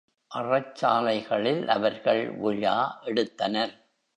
அறச் சாலைகளில் அவர்கள் விழா எடுத்தனர்.